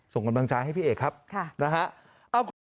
ส่งกำลังใจให้พี่เอกครับนะฮะ